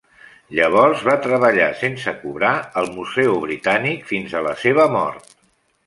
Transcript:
Llavors va treballar sense cobrar al Museu britànic fins a la seva mort.